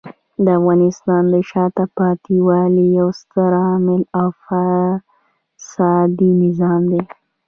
د افغانستان د شاته پاتې والي یو ستر عامل د فسادي نظام دی.